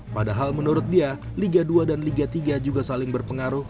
padahal menurut dia liga dua dan liga tiga juga saling berpengaruh